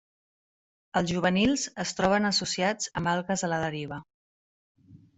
Els juvenils es troben associats amb algues a la deriva.